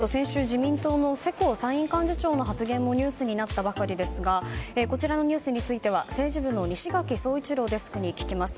この所得税の減税というと先週、自民党の世耕参院幹事長の発言もニュースになったばかりですがこちらのニュースについては政治部の西垣壮一郎デスクに聞きます。